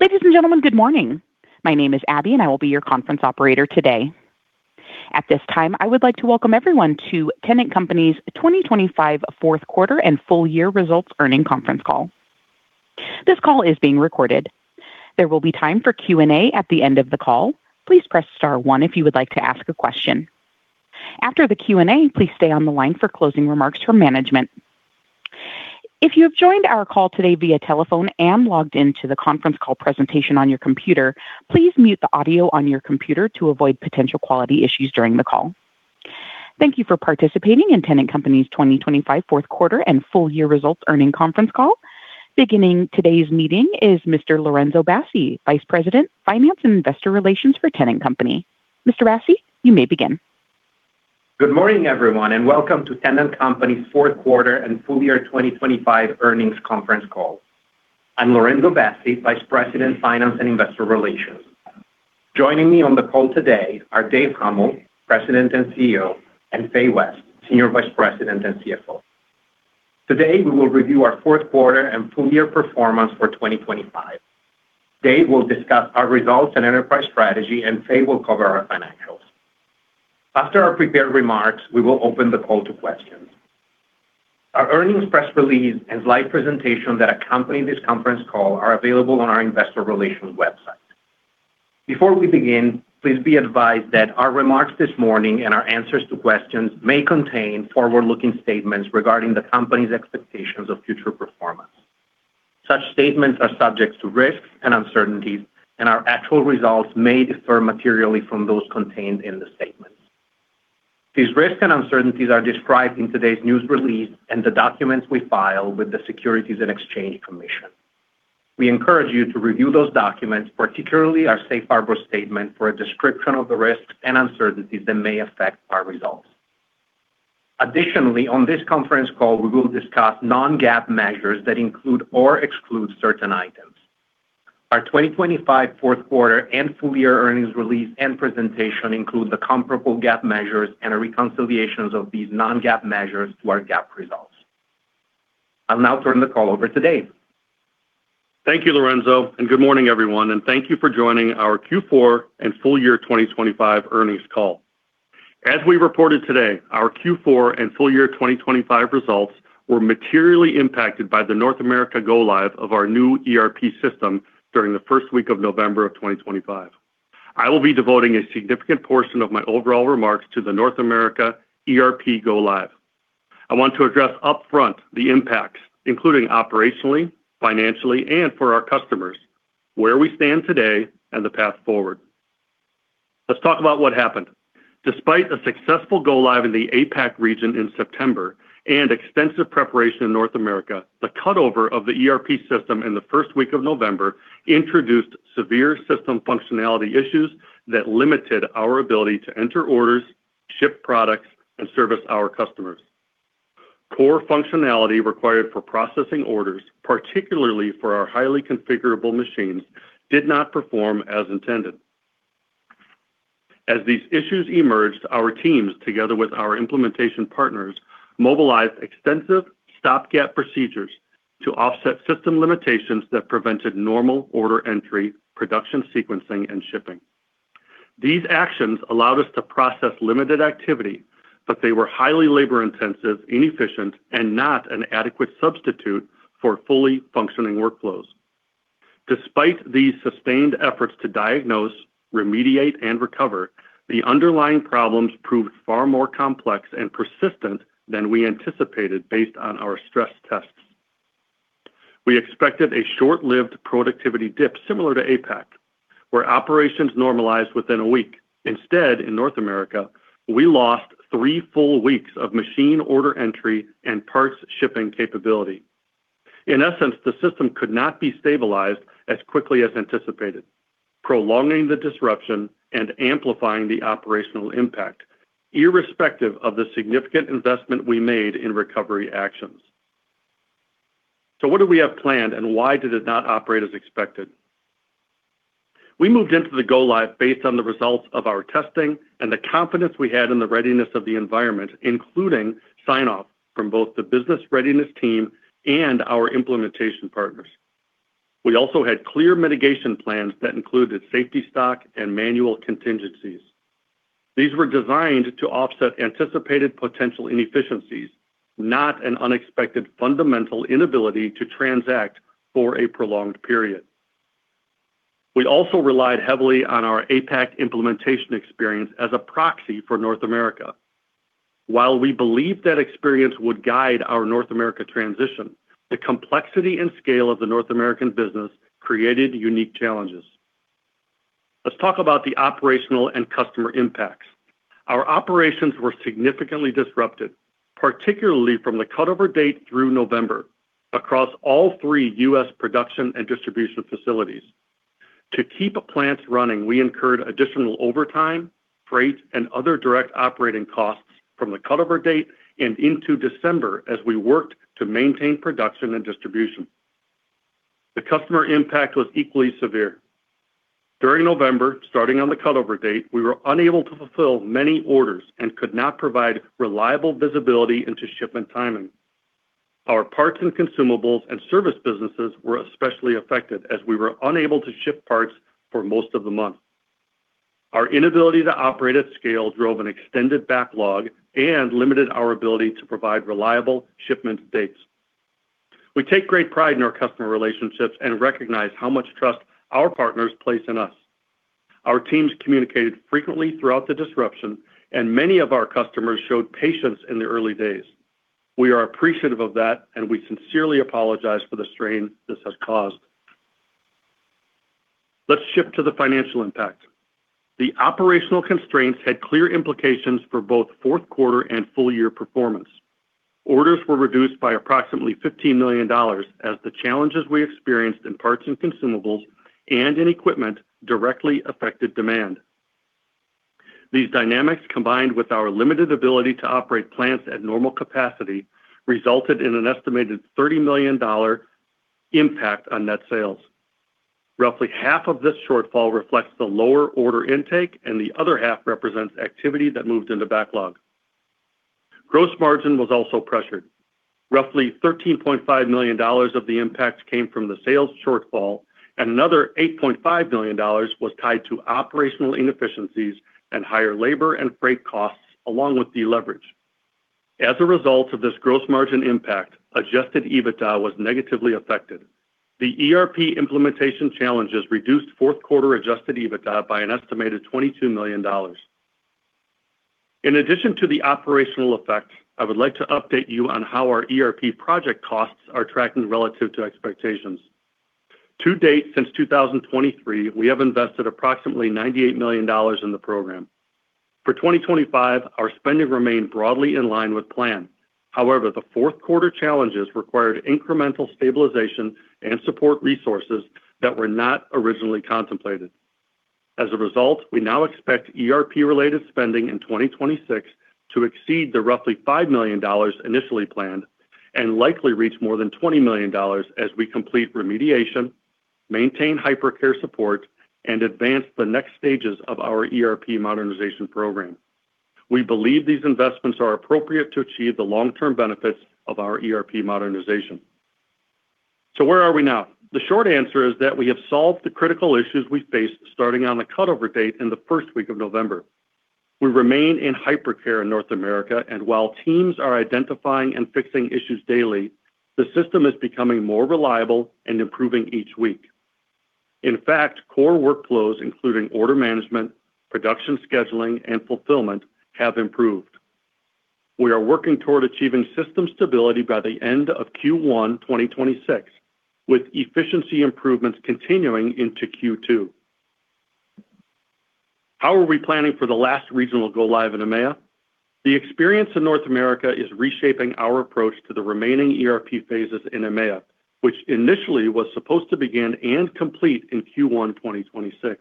Ladies and gentlemen, good morning. My name is Abby. I will be your conference operator today. At this time, I would like to Welcome everyone to Tennant Company's 2025 Fourth Quarter and Full Year Results Earning Conference Call. This call is being recorded. There will be time for Q&A at the end of the call. Please press star one if you would like to ask a question. After the Q&A, please stay on the line for closing remarks from management. If you have joined our call today via telephone and logged into the conference call presentation on your computer, please mute the audio on your computer to avoid potential quality issues during the call. Thank you for participating in Tennant Company's 2025 Fourth Quarter and Full Year Results Earning Conference Call. Beginning today's meeting is Mr. Lorenzo Bassi, Vice President, Finance and Investor Relations for Tennant Company. Mr. Bassi, you may begin. Good morning, everyone, welcome to Tennant Company's Fourth Quarter and Full Year 2025 Earnings Conference Call. I'm Lorenzo Bassi, Vice President, Finance and Investor Relations. Joining me on the call today are David Huml, President and CEO, and Fay West, Senior Vice President and CFO. Today, we will review our fourth quarter and full year performance for 2025. Dave will discuss our results and enterprise strategy, Fay will cover our financials. After our prepared remarks, we will open the call to questions. Our earnings press release and slide presentation that accompany this conference call are available on our investor relations website. Before we begin, please be advised that our remarks this morning and our answers to questions may contain forward-looking statements regarding the company's expectations of future performance. Such statements are subject to risks and uncertainties, and our actual results may differ materially from those contained in the statements. These risks and uncertainties are described in today's news release and the documents we file with the Securities and Exchange Commission. We encourage you to review those documents, particularly our safe harbor statement, for a description of the risks and uncertainties that may affect our results. Additionally, on this conference call, we will discuss non-GAAP measures that include or exclude certain items. Our 2025 fourth quarter and full year earnings release and presentation include the comparable GAAP measures and a reconciliations of these non-GAAP measures to our GAAP results. I'll now turn the call over to Dave. Thank you, Lorenzo, good morning, everyone, and thank you for joining our Q4 and full year 2025 earnings call. As we reported today, our Q4 and full year 2025 results were materially impacted by the North America go-live of our new ERP system during the first week of November of 2025. I will be devoting a significant portion of my overall remarks to the North America ERP go-live. I want to address upfront the impacts, including operationally, financially, and for our customers, where we stand today and the path forward. Let's talk about what happened. Despite a successful go-live in the APAC region in September and extensive preparation in North America, the cut-over of the ERP system in the first week of November introduced severe system functionality issues that limited our ability to enter orders, ship products, and service our customers. Core functionality required for processing orders, particularly for our highly configurable machines, did not perform as intended. As these issues emerged, our teams, together with our implementation partners, mobilized extensive stopgap procedures to offset system limitations that prevented normal order entry, production, sequencing, and shipping. These actions allowed us to process limited activity, but they were highly labor-intensive, inefficient, and not an adequate substitute for fully functioning workflows. Despite these sustained efforts to diagnose, remediate, and recover, the underlying problems proved far more complex and persistent than we anticipated based on our stress tests. We expected a short-lived productivity dip similar to APAC, where operations normalized within a week. Instead, in North America, we lost three full weeks of machine order entry and parts shipping capability. In essence, the system could not be stabilized as quickly as anticipated, prolonging the disruption and amplifying the operational impact, irrespective of the significant investment we made in recovery actions. What do we have planned, and why did it not operate as expected? We moved into the go-live based on the results of our testing and the confidence we had in the readiness of the environment, including sign-off from both the business readiness team and our implementation partners. We also had clear mitigation plans that included safety stock and manual contingencies. These were designed to offset anticipated potential inefficiencies, not an unexpected, fundamental inability to transact for a prolonged period. We also relied heavily on our APAC implementation experience as a proxy for North America. While we believed that experience would guide our North America transition, the complexity and scale of the North American business created unique challenges. Let's talk about the operational and customer impacts. Our operations were significantly disrupted, particularly from the cut-over date through November, across all three U.S. production and distribution facilities. To keep plants running, we incurred additional overtime, freight, and other direct operating costs from the cut-over date and into December as we worked to maintain production and distribution. The customer impact was equally severe. During November, starting on the cut-over date, we were unable to fulfill many orders and could not provide reliable visibility into shipment timing. Our parts and consumables and service businesses were especially affected, as we were unable to ship parts for most of the month. Our inability to operate at scale drove an extended backlog and limited our ability to provide reliable shipment dates. We take great pride in our customer relationships and recognize how much trust our partners place in us. Our teams communicated frequently throughout the disruption. Many of our customers showed patience in the early days. We are appreciative of that. We sincerely apologize for the strain this has caused. Let's shift to the financial impact. The operational constraints had clear implications for both fourth quarter and full year performance. Orders were reduced by approximately $15 million, as the challenges we experienced in parts and consumables and in equipment directly affected demand. These dynamics, combined with our limited ability to operate plants at normal capacity, resulted in an estimated $30 million impact on net sales. Roughly half of this shortfall reflects the lower order intake. The other half represents activity that moved into backlog. Gross margin was also pressured. Roughly $13.5 million of the impact came from the sales shortfall. Another $8.5 million was tied to operational inefficiencies and higher labor and freight costs, along with deleverage. As a result of this gross margin impact, Adjusted EBITDA was negatively affected. The ERP implementation challenges reduced fourth quarter Adjusted EBITDA by an estimated $22 million. In addition to the operational effect, I would like to update you on how our ERP project costs are tracking relative to expectations. To date, since 2023, we have invested approximately $98 million in the program. For 2025, our spending remained broadly in line with plan. However, the fourth quarter challenges required incremental stabilization and support resources that were not originally contemplated. As a result, we now expect ERP-related spending in 2026 to exceed the roughly $5 million initially planned and likely reach more than $20 million as we complete remediation, maintain hypercare support, and advance the next stages of our ERP modernization program. We believe these investments are appropriate to achieve the long-term benefits of our ERP modernization. Where are we now? The short answer is that we have solved the critical issues we faced starting on the cutover date in the first week of November. We remain in Hypercare in North America, and while teams are identifying and fixing issues daily, the system is becoming more reliable and improving each week. In fact, core workflows, including order management, production, scheduling, and fulfillment, have improved. We are working toward achieving system stability by the end of Q1 2026, with efficiency improvements continuing into Q2. How are we planning for the last regional go-live in EMEA? The experience in North America is reshaping our approach to the remaining ERP phases in EMEA, which initially was supposed to begin and complete in Q1 2026.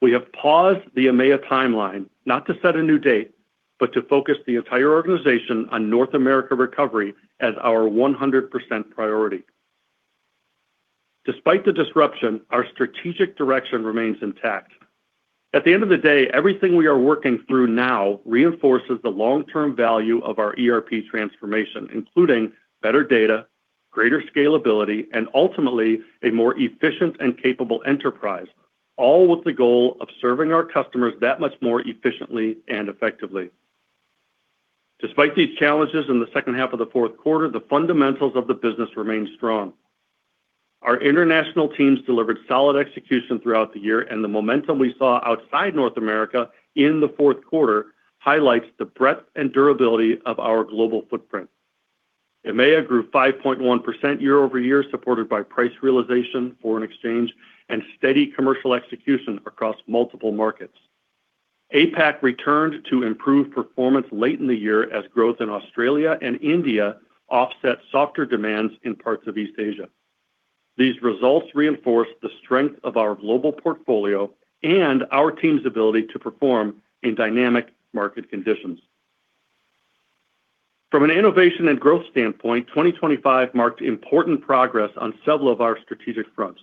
We have paused the EMEA timeline, not to set a new date, but to focus the entire organization on North America recovery as our 100% priority. Despite the disruption, our strategic direction remains intact. At the end of the day, everything we are working through now reinforces the long-term value of our ERP transformation, including better data, greater scalability, and ultimately a more efficient and capable enterprise, all with the goal of serving our customers that much more efficiently and effectively. Despite these challenges in the second half of the fourth quarter, the fundamentals of the business remain strong. Our international teams delivered solid execution throughout the year. The momentum we saw outside North America in the fourth quarter highlights the breadth and durability of our global footprint. EMEA grew 5.1% year-over-year, supported by price realization, foreign exchange, and steady commercial execution across multiple markets. APAC returned to improved performance late in the year as growth in Australia and India offset softer demands in parts of East Asia. These results reinforce the strength of our global portfolio and our team's ability to perform in dynamic market conditions. From an innovation and growth standpoint, 2025 marked important progress on several of our strategic fronts.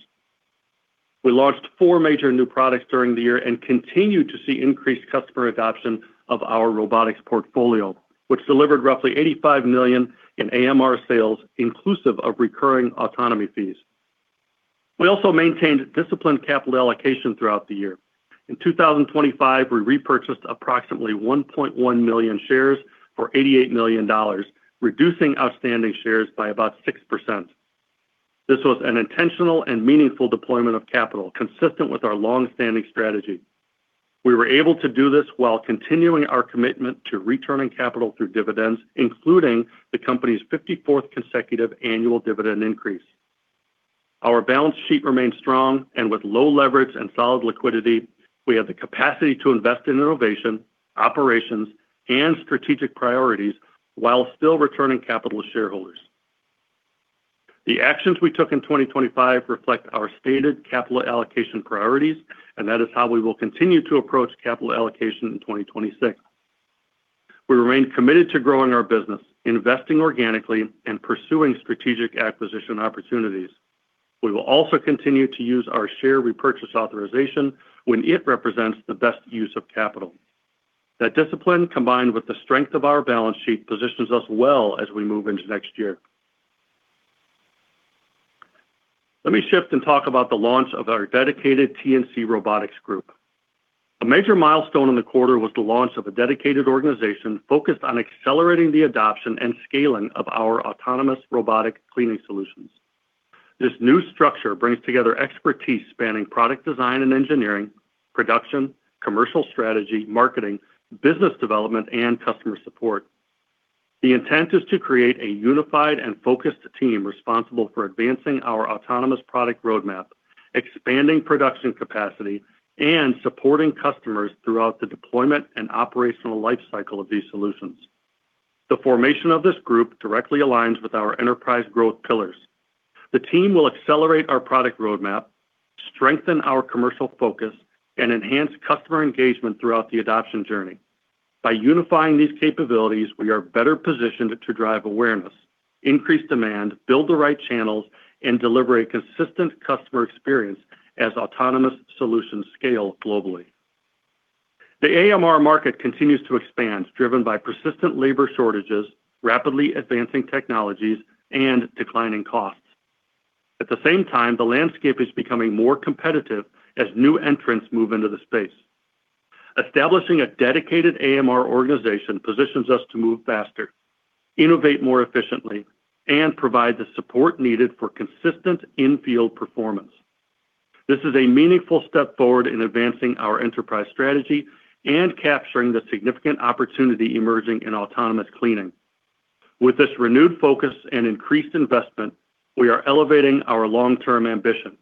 We launched four major new products during the year and continued to see increased customer adoption of our robotics portfolio, which delivered roughly $85 million in AMR sales, inclusive of recurring autonomy fees. We also maintained disciplined capital allocation throughout the year. In 2025, we repurchased approximately 1.1 million shares for $88 million, reducing outstanding shares by about 6%. This was an intentional and meaningful deployment of capital, consistent with our long-standing strategy. We were able to do this while continuing our commitment to returning capital through dividends, including the company's 54th consecutive annual dividend increase. Our balance sheet remains strong, and with low leverage and solid liquidity, we have the capacity to invest in innovation, operations, and strategic priorities while still returning capital to shareholders. The actions we took in 2025 reflect our stated capital allocation priorities. That is how we will continue to approach capital allocation in 2026. We remain committed to growing our business, investing organically, and pursuing strategic acquisition opportunities. We will also continue to use our share repurchase authorization when it represents the best use of capital. That discipline, combined with the strength of our balance sheet, positions us well as we move into next year. Let me shift and talk about the launch of our dedicated TNC robotics group. A major milestone in the quarter was the launch of a dedicated organization focused on accelerating the adoption and scaling of our autonomous robotic cleaning solutions. This new structure brings together expertise spanning product design and engineering, production, commercial strategy, marketing, business development, and customer support. The intent is to create a unified and focused team responsible for advancing our autonomous product roadmap, expanding production capacity, and supporting customers throughout the deployment and operational lifecycle of these solutions. The formation of this group directly aligns with our enterprise growth pillars. The team will accelerate our product roadmap, strengthen our commercial focus, and enhance customer engagement throughout the adoption journey. By unifying these capabilities, we are better positioned to drive awareness, increase demand, build the right channels, and deliver a consistent customer experience as autonomous solutions scale globally. The AMR market continues to expand, driven by persistent labor shortages, rapidly advancing technologies, and declining costs. At the same time, the landscape is becoming more competitive as new entrants move into the space. Establishing a dedicated AMR organization positions us to move faster, innovate more efficiently, and provide the support needed for consistent in-field performance. This is a meaningful step forward in advancing our enterprise strategy and capturing the significant opportunity emerging in autonomous cleaning. With this renewed focus and increased investment, we are elevating our long-term ambition.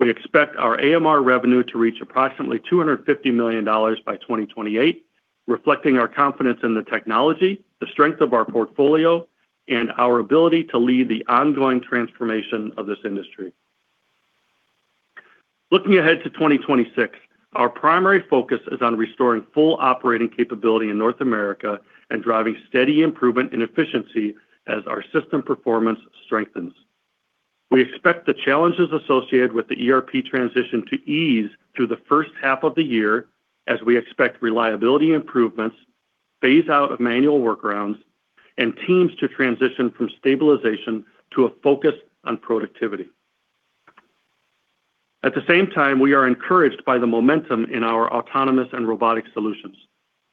We expect our AMR revenue to reach approximately $250 million by 2028, reflecting our confidence in the technology, the strength of our portfolio, and our ability to lead the ongoing transformation of this industry. Looking ahead to 2026, our primary focus is on restoring full operating capability in North America and driving steady improvement in efficiency as our system performance strengthens. We expect the challenges associated with the ERP transition to ease through the first half of the year, as we expect reliability improvements, phase out of manual workarounds, and teams to transition from stabilization to a focus on productivity. At the same time, we are encouraged by the momentum in our autonomous and robotic solutions.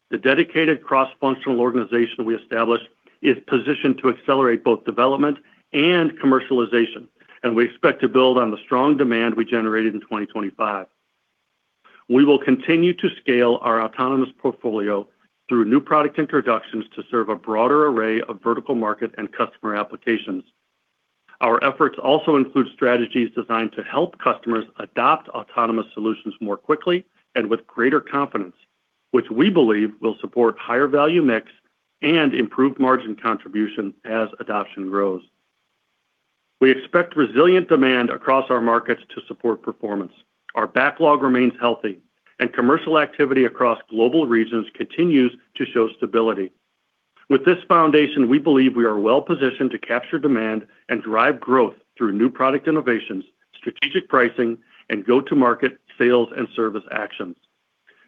The dedicated cross-functional organization we established is positioned to accelerate both development and commercialization, and we expect to build on the strong demand we generated in 2025. We will continue to scale our autonomous portfolio through new product introductions to serve a broader array of vertical market and customer applications. Our efforts also include strategies designed to help customers adopt autonomous solutions more quickly and with greater confidence, which we believe will support higher value mix and improved margin contribution as adoption grows. We expect resilient demand across our markets to support performance. Our backlog remains healthy, and commercial activity across global regions continues to show stability. With this foundation, we believe we are well positioned to capture demand and drive growth through new product innovations, strategic pricing, and go-to-market sales and service actions.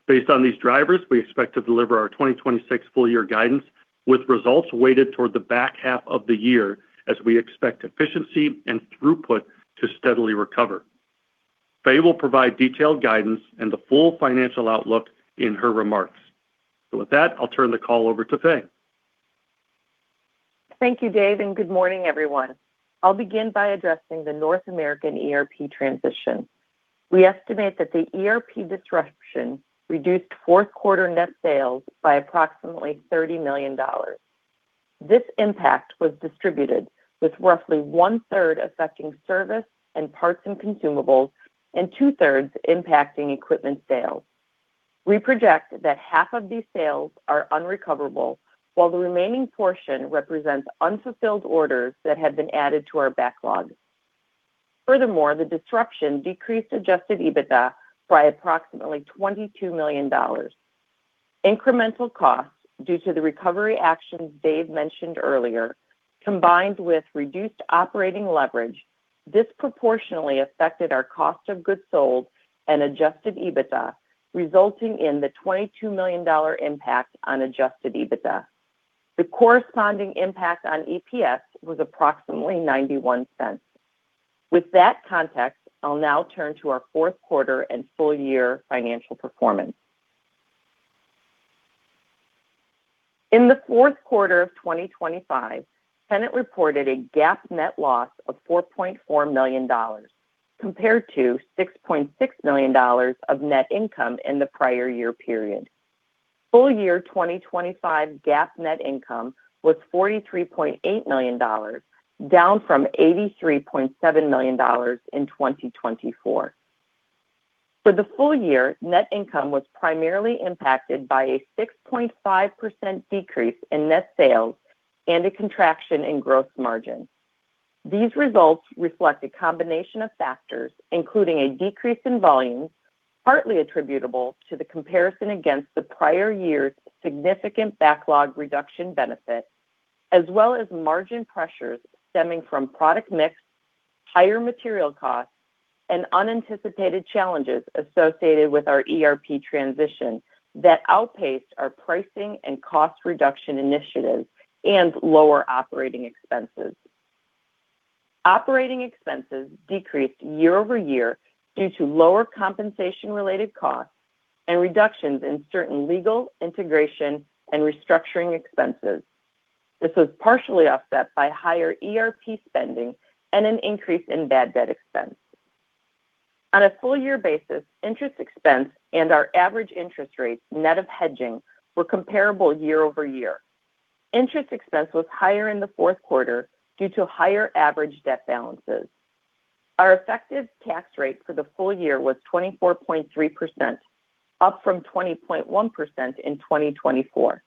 Based on these drivers, we expect to deliver our 2026 full year guidance with results weighted toward the back half of the year, as we expect efficiency and throughput to steadily recover. Fay will provide detailed guidance and the full financial outlook in her remarks. With that, I'll turn the call over to Fay. Thank you, Dave, and good morning, everyone. I'll begin by addressing the North American ERP transition. We estimate that the ERP disruption reduced fourth quarter net sales by approximately $30 million. This impact was distributed, with roughly one-third affecting service and parts and consumables, and two-thirds impacting equipment sales. We project that half of these sales are unrecoverable, while the remaining portion represents unfulfilled orders that have been added to our backlog. Furthermore, the disruption decreased Adjusted EBITDA by approximately $22 million. Incremental costs due to the recovery actions Dave mentioned earlier, combined with reduced operating leverage, disproportionately affected our cost of goods sold and Adjusted EBITDA, resulting in the $22 million impact on Adjusted EBITDA. The corresponding impact on EPS was approximately $0.91. With that context, I'll now turn to our fourth quarter and full year financial performance. In the fourth quarter of 2025, Tennant reported a GAAP net loss of $4.4 million, compared to $6.6 million of net income in the prior year period. Full year 2025 GAAP net income was $43.8 million, down from $83.7 million in 2024. For the full year, net income was primarily impacted by a 6.5% decrease in net sales and a contraction in gross margin. These results reflect a combination of factors, including a decrease in volumes, partly attributable to the comparison against the prior year's significant backlog reduction benefit, as well as margin pressures stemming from product mix, higher material costs, and unanticipated challenges associated with our ERP transition that outpaced our pricing and cost reduction initiatives and lower operating expenses. Operating expenses decreased year-over-year due to lower compensation-related costs and reductions in certain legal, integration, and restructuring expenses. This was partially offset by higher ERP spending and an increase in bad debt expense. On a full year basis, interest expense and our average interest rates, net of hedging, were comparable year-over-year. Interest expense was higher in the fourth quarter due to higher average debt balances. Our effective tax rate for the full year was 24.3%, up from 20.1% in 2024.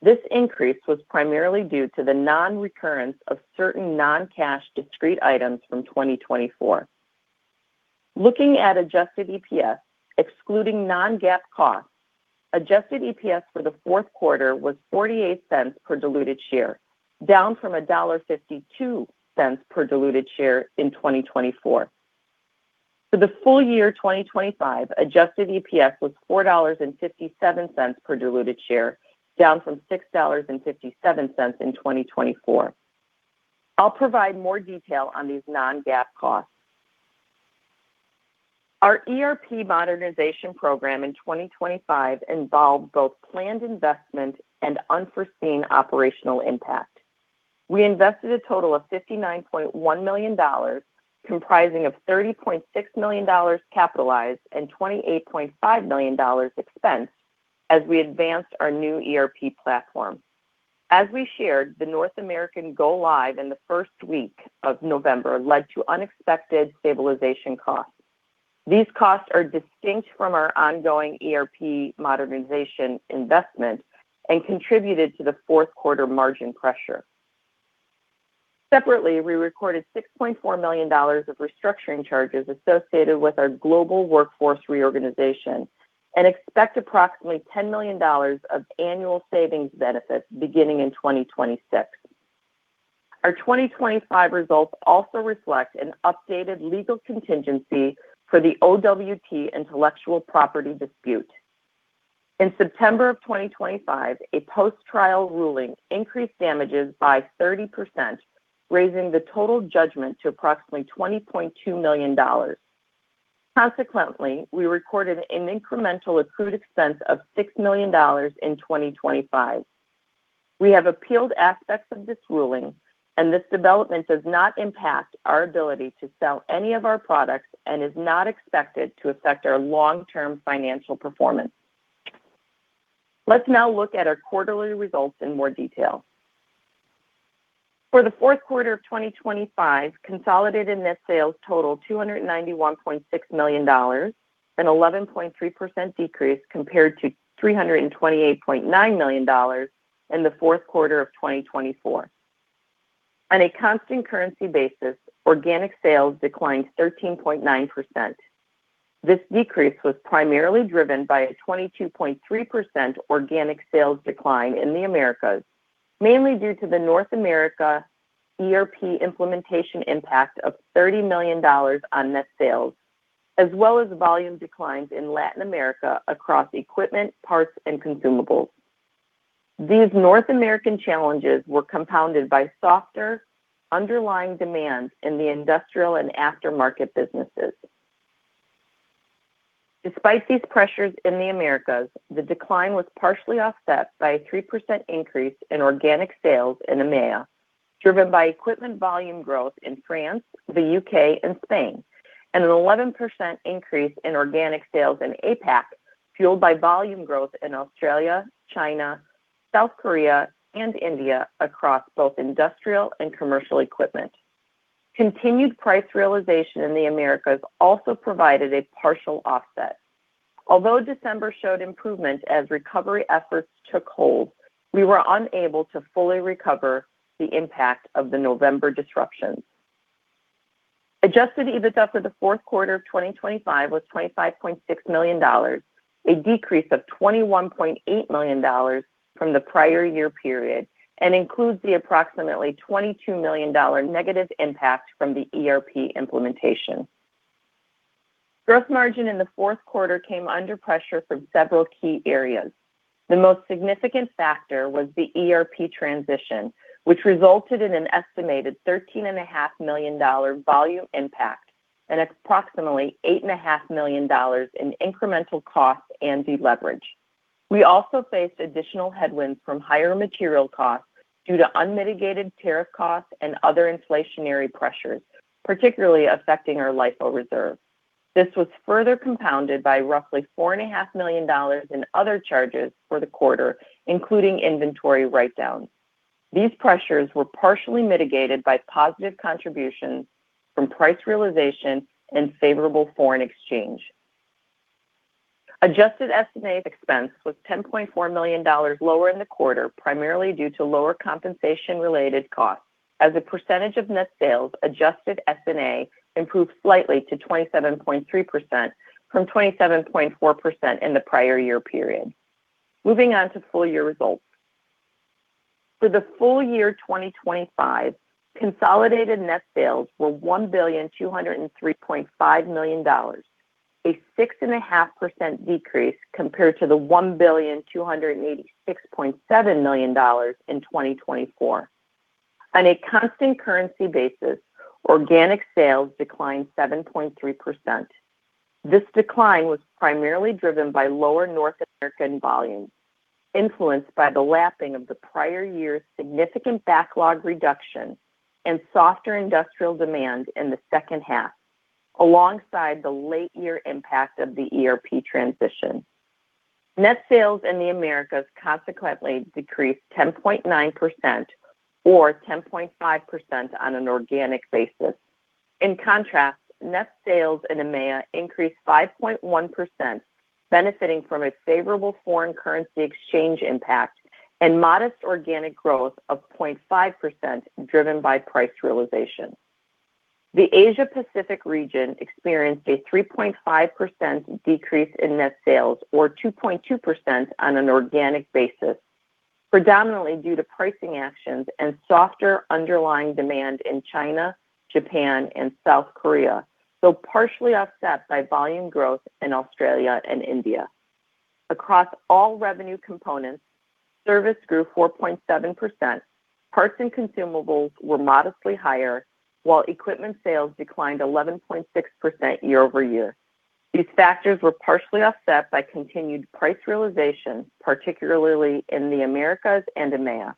This increase was primarily due to the non-recurrence of certain non-cash discrete items from 2024. Looking at Adjusted EPS, excluding non-GAAP costs, Adjusted EPS for the fourth quarter was $0.48 per diluted share, down from $1.52 per diluted share in 2024. For the full year, 2025, Adjusted EPS was $4.57 per diluted share, down from $6.57 in 2024. I'll provide more detail on these non-GAAP costs. Our ERP modernization program in 2025 involved both planned investment and unforeseen operational impact. We invested a total of $59.1 million, comprising of $30.6 million capitalized and $28.5 million expensed as we advanced our new ERP platform. As we shared, the North American go live in the first week of November led to unexpected stabilization costs. These costs are distinct from our ongoing ERP modernization investment and contributed to the fourth quarter margin pressure. Separately, we recorded $6.4 million of restructuring charges associated with our global workforce reorganization and expect approximately $10 million of annual savings benefits beginning in 2026. Our 2025 results also reflect an updated legal contingency for the OWT intellectual property dispute. In September of 2025, a post-trial ruling increased damages by 30%, raising the total judgment to approximately $20.2 million. Consequently, we recorded an incremental accrued expense of $6 million in 2025. We have appealed aspects of this ruling. This development does not impact our ability to sell any of our products and is not expected to affect our long-term financial performance. Let's now look at our quarterly results in more detail. For the fourth quarter of 2025, consolidated net sales totaled $291.6 million, an 11.3% decrease compared to $328.9 million in the fourth quarter of 2024. On a constant currency basis, organic sales declined 13.9%. This decrease was primarily driven by a 22.3% organic sales decline in the Americas, mainly due to the North America ERP implementation impact of $30 million on net sales, as well as volume declines in Latin America across equipment, parts, and consumables. These North American challenges were compounded by softer underlying demand in the industrial and aftermarket businesses. Despite these pressures in the Americas, the decline was partially offset by a 3% increase in organic sales in EMEA, driven by equipment volume growth in France, the U.K., and Spain, and an 11% increase in organic sales in APAC, fueled by volume growth in Australia, China, South Korea, and India across both industrial and commercial equipment. Continued price realization in the Americas also provided a partial offset. Although December showed improvement as recovery efforts took hold, we were unable to fully recover the impact of the November disruptions. Adjusted EBITDA for the fourth quarter of 2025 was $25.6 million, a decrease of $21.8 million from the prior year period and includes the approximately $22 million negative impact from the ERP implementation. Gross margin in the fourth quarter came under pressure from several key areas. The most significant factor was the ERP transition, which resulted in an estimated thirteen and a half million dollar volume impact and approximately eight and a half million dollars in incremental costs and deleverage. We also faced additional headwinds from higher material costs due to unmitigated tariff costs and other inflationary pressures, particularly affecting our LIFO reserve. This was further compounded by roughly four and a half million dollars in other charges for the quarter, including inventory write-downs. These pressures were partially mitigated by positive contributions from price realization and favorable foreign exchange. Adjusted S&A expense was $10.4 million lower in the quarter, primarily due to lower compensation-related costs. As a percentage of net sales, Adjusted S&A improved slightly to 27.3% from 27.4% in the prior year period. Moving on to full year results. For the full year 2025, consolidated net sales were $1,203.5 million, a 6.5% decrease compared to the $1,286.7 million in 2024. On a constant currency basis, organic sales declined 7.3%. This decline was primarily driven by lower North American volumes, influenced by the lapping of the prior year's significant backlog reduction and softer industrial demand in the second half, alongside the late-year impact of the ERP transition. Net sales in the Americas consequently decreased 10.9% or 10.5% on an organic basis. In contrast, net sales in EMEA increased 5.1%, benefiting from a favorable foreign currency exchange impact and modest organic growth of 0.5%, driven by price realization. The Asia Pacific region experienced a 3.5% decrease in net sales, or 2.2% on an organic basis, predominantly due to pricing actions and softer underlying demand in China, Japan, and South Korea, though partially offset by volume growth in Australia and India. Across all revenue components, service grew 4.7%, parts and consumables were modestly higher, while equipment sales declined 11.6% year-over-year. These factors were partially offset by continued price realization, particularly in the Americas and EMEA.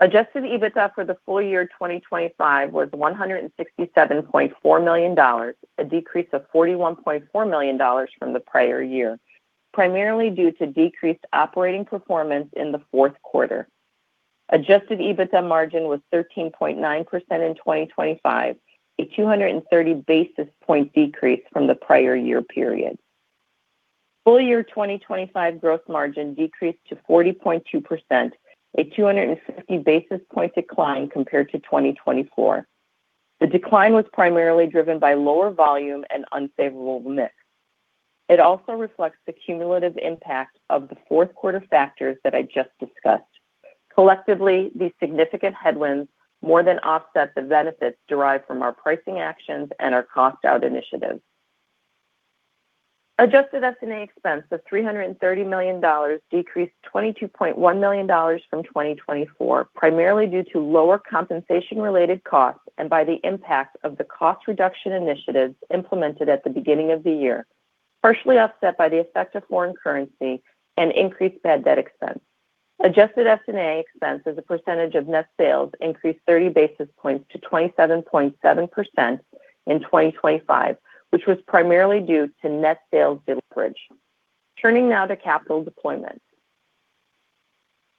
Adjusted EBITDA for the full year 2025 was $167.4 million, a decrease of $41.4 million from the prior year, primarily due to decreased operating performance in the fourth quarter. Adjusted EBITDA margin was 13.9% in 2025, a 230 basis point decrease from the prior year period. Full year 2025 growth margin decreased to 40.2%, a 250 basis point decline compared to 2024. The decline was primarily driven by lower volume and unfavorable mix. It also reflects the cumulative impact of the fourth quarter factors that I just discussed. Collectively, these significant headwinds more than offset the benefits derived from our pricing actions and our cost out initiatives. Adjusted S&A expense of $330 million decreased $22.1 million from 2024, primarily due to lower compensation-related costs and by the impact of the cost reduction initiatives implemented at the beginning of the year, partially offset by the effect of foreign currency and increased bad debt expense. Adjusted S&A expense as a percentage of net sales increased 30 basis points to 27.7% in 2025, which was primarily due to net sales diligence. Turning now to capital deployment.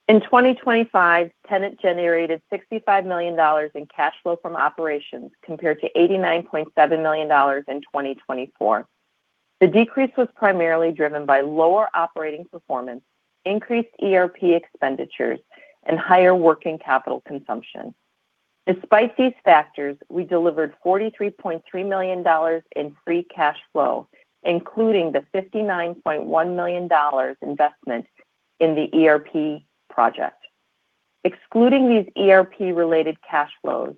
In 2025, Tennant generated $65 million in cash flow from operations, compared to $89.7 million in 2024. The decrease was primarily driven by lower operating performance, increased ERP expenditures, and higher working capital consumption. Despite these factors, we delivered $43.3 million in free cash flow, including the $59.1 million investment in the ERP project. Excluding these ERP-related cash flows,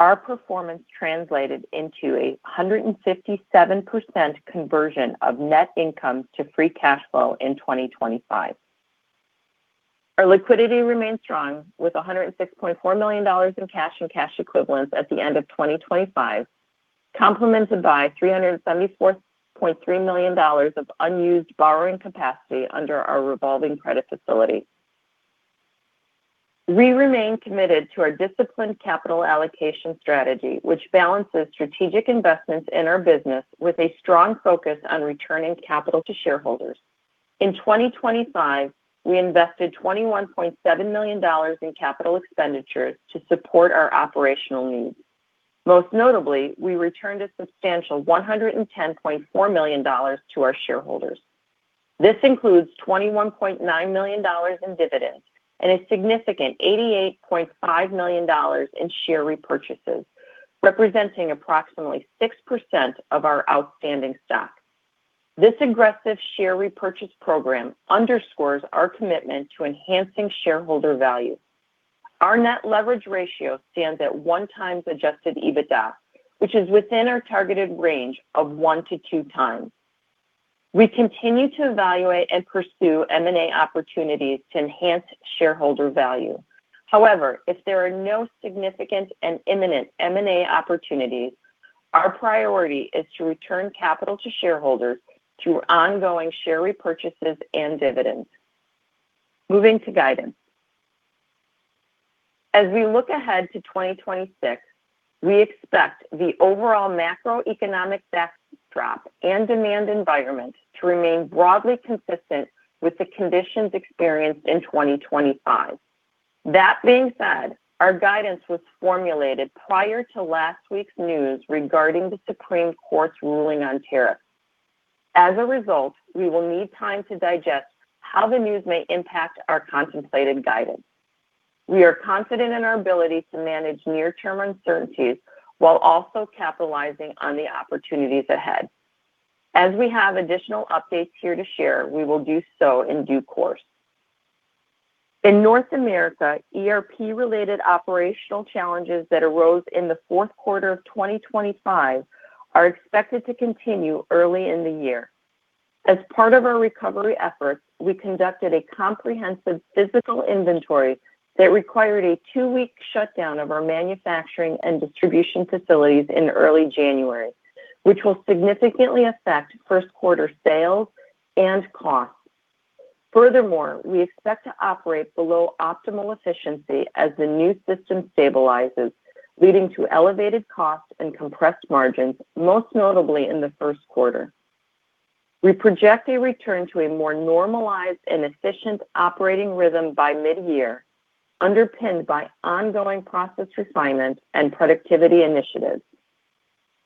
our performance translated into a 157% conversion of net income to free cash flow in 2025. Our liquidity remains strong, with $106.4 million in cash and cash equivalents at the end of 2025, complemented by $374.3 million of unused borrowing capacity under our revolving credit facility. We remain committed to our disciplined capital allocation strategy, which balances strategic investments in our business with a strong focus on returning capital to shareholders. In 2025, we invested $21.7 million in capital expenditures to support our operational needs. Most notably, we returned a substantial $110.4 million to our shareholders. This includes $21.9 million in dividends and a significant $88.5 million in share repurchases, representing approximately 6% of our outstanding stock. This aggressive share repurchase program underscores our commitment to enhancing shareholder value. Our net leverage ratio stands at 1x Adjusted EBITDA, which is within our targeted range of 1x-2x. We continue to evaluate and pursue M&A opportunities to enhance shareholder value. However, if there are no significant and imminent M&A opportunities, our priority is to return capital to shareholders through ongoing share repurchases and dividends. Moving to guidance. As we look ahead to 2026, we expect the overall macroeconomic backdrop and demand environment to remain broadly consistent with the conditions experienced in 2025. That being said, our guidance was formulated prior to last week's news regarding the Supreme Court's ruling on tariffs. As a result, we will need time to digest how the news may impact our contemplated guidance. We are confident in our ability to manage near-term uncertainties while also capitalizing on the opportunities ahead. As we have additional updates here to share, we will do so in due course. In North America, ERP-related operational challenges that arose in the fourth quarter of 2025 are expected to continue early in the year. As part of our recovery efforts, we conducted a comprehensive physical inventory that required a two-week shutdown of our manufacturing and distribution facilities in early January, which will significantly affect first quarter sales and costs. Furthermore, we expect to operate below optimal efficiency as the new system stabilizes, leading to elevated costs and compressed margins, most notably in the first quarter. We project a return to a more normalized and efficient operating rhythm by mid-year, underpinned by ongoing process refinement and productivity initiatives.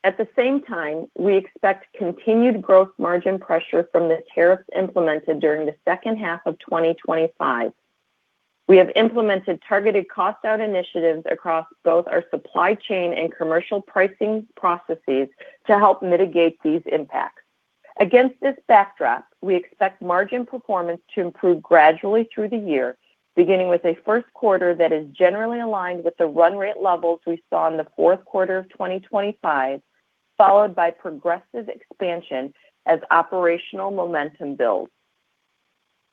At the same time, we expect continued growth margin pressure from the tariffs implemented during the second half of 2025. We have implemented targeted cost-out initiatives across both our supply chain and commercial pricing processes to help mitigate these impacts. Against this backdrop, we expect margin performance to improve gradually through the year, beginning with a first quarter that is generally aligned with the run rate levels we saw in the fourth quarter of 2025, followed by progressive expansion as operational momentum builds.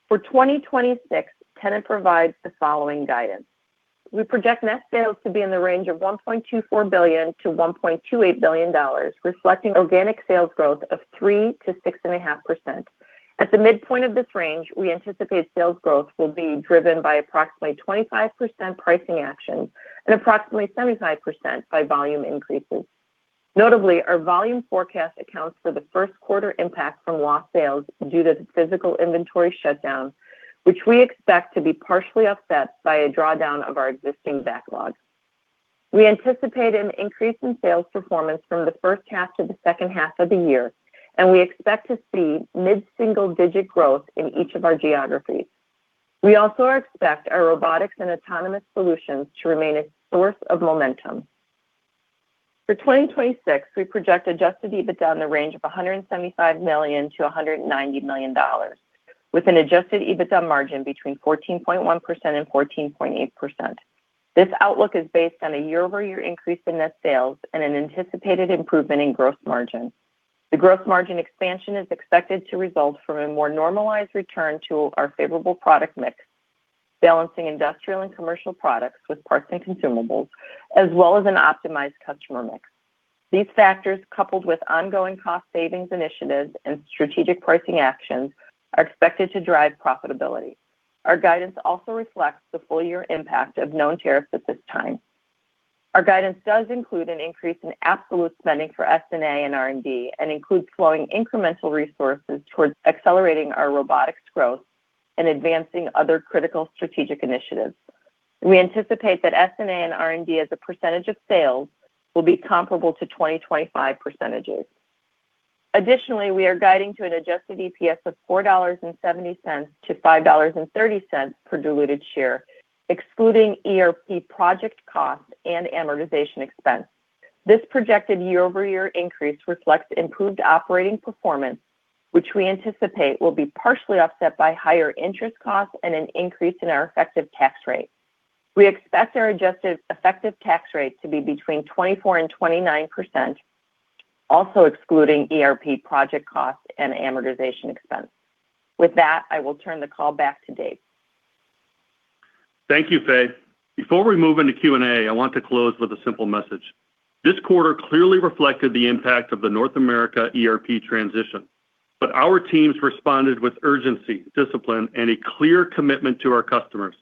For 2026, Tennant provides the following guidance. We project net sales to be in the range of $1.24 billion-$1.28 billion, reflecting organic sales growth of 3%-6.5%. At the midpoint of this range, we anticipate sales growth will be driven by approximately 25% pricing actions and approximately 75% by volume increases. Notably, our volume forecast accounts for the first quarter impact from lost sales due to the physical inventory shutdown, which we expect to be partially offset by a drawdown of our existing backlog. We anticipate an increase in sales performance from the first half to the second half of the year. We expect to see mid-single-digit growth in each of our geographies. We also expect our robotics and autonomous solutions to remain a source of momentum. For 2026, we project Adjusted EBITDA in the range of $175 million-$190 million, with an Adjusted EBITDA margin between 14.1% and 14.8%. This outlook is based on a year-over-year increase in net sales and an anticipated improvement in gross margin. The gross margin expansion is expected to result from a more normalized return to our favorable product mix, balancing industrial and commercial products with parts and consumables, as well as an optimized customer mix. These factors, coupled with ongoing cost savings initiatives and strategic pricing actions, are expected to drive profitability. Our guidance also reflects the full year impact of known tariffs at this time. Our guidance does include an increase in absolute spending for S&A and R&D and includes flowing incremental resources towards accelerating our robotics growth and advancing other critical strategic initiatives. We anticipate that S&A and R&D as a percentage of sales will be comparable to 2025%. Additionally, we are guiding to an Adjusted EPS of $4.70-$5.30 per diluted share, excluding ERP project costs and amortization expense. This projected year-over-year increase reflects improved operating performance, which we anticipate will be partially offset by higher interest costs and an increase in our effective tax rate. We expect our adjusted effective tax rate to be between 24% and 29%, also excluding ERP project costs and amortization expense. With that, I will turn the call back to Dave. Thank you, Fay. Before we move into Q&A, I want to close with a simple message. This quarter clearly reflected the impact of the North America ERP transition. Our teams responded with urgency, discipline, and a clear commitment to our customers.